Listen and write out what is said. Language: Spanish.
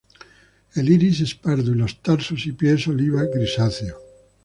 El iris es pardo y los tarsos y pies oliva grisáceo.